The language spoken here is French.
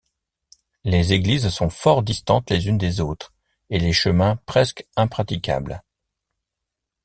Les églises sont fort distantes les unes des autres, et les chemins presque impraticables.